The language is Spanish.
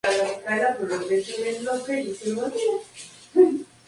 Muchos de sus pupilos fueron recomendados por sus maestros para la prueba.